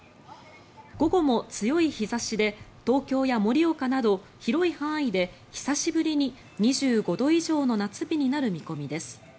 午後も強い日差しで東京や盛岡など広い範囲で久しぶりに２５度以上の夏日になる見込みです。